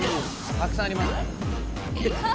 たくさんありますから。